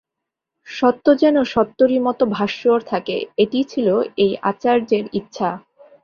সত্য যেন সত্যেরই মত ভাস্বর থাকে, এটিই ছিল এই আচার্যের ইচ্ছা।